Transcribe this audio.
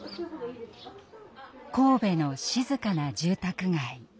神戸の静かな住宅街。